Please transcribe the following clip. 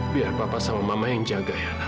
biar papa sama mama yang jaga ya